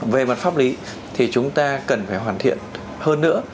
về mặt pháp lý thì chúng ta cần phải hoàn thiện hơn nữa